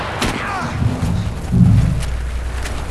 بیکار هستم.